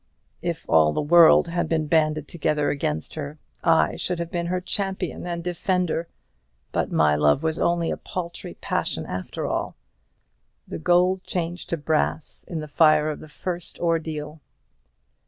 If all the world had been banded together against her, I should have been her champion, and defender. But my love was only a paltry passion after all. The gold changed to brass in the fire of the first ordeal."